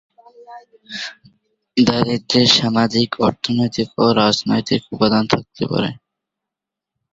দারিদ্র্যের সামাজিক, অর্থনৈতিক ও রাজনৈতিক উপাদান থাকতে পারে।